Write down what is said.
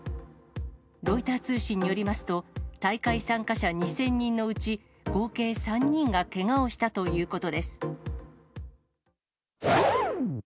ロイター通信によりますと、大会参加者２０００人のうち、合計３人がけがをしたということ